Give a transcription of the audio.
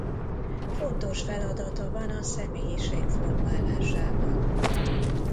Fontos feladata van a személyiség formálásában.